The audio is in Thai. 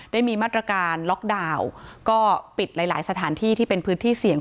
ได้มีมาตรการล็อกดาวน์ก็ปิดหลายหลายสถานที่ที่เป็นพื้นที่เสี่ยง